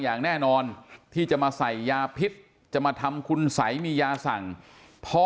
อย่างแน่นอนที่จะมาใส่ยาพิษจะมาทำคุณสัยมียาสั่งพ่อ